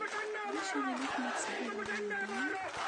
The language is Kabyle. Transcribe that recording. Ulac aɣilif ma tesbudad-iyi-d aya?